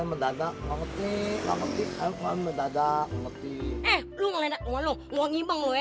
eh lu ngeledak uang ibang lu ya